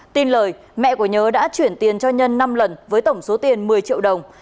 tin lời mẹ của nhớ đã chuyển tiền cho nhân năm lần với tổng số tiền một mươi triệu đồng